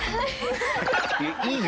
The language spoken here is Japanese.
いいよ。